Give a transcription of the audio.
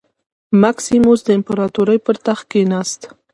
مکسیموس د امپراتورۍ پر تخت کېناست.